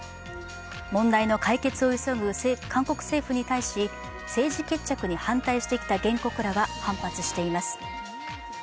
問題の解決を急ぐ韓国政府に対し、政治決着に反対してきた原告らが反発しています。